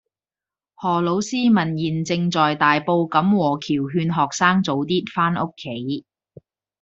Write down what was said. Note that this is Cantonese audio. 何老師問現正在大埔錦和橋勸學生早啲返屋企